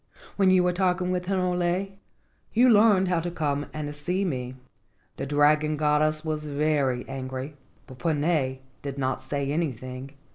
When you were talking with Hinole you learned how to come and see me." The dragon goddess was very angry, but Puna did not say anything.